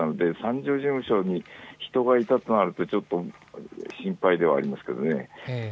じょう事務所に人がいたとなるとちょっと心配ではあります。